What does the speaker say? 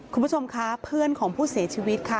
คุณผู้ชมคะเพื่อนของผู้เสียชีวิตค่ะ